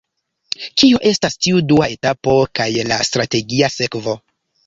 Kio estas tiu dua etapo kaj la strategia sekvo?